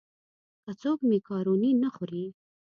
که څوک مېکاروني نه خوري.